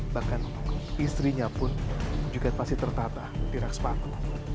bahkan istrinya pun juga pasti tertata di rak sepatu